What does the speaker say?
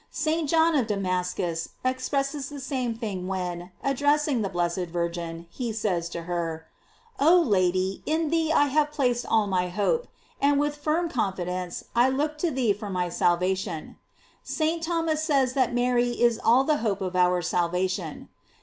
* St. John of Da mascus expresses the same thing when, address ing the blessed Virgin, he says to her: Oh Lady, in thee I have placed all my hope, and with firm confidence I look to thee for my salvation, f St. Thomas says that Mary is all the hope of our salvation.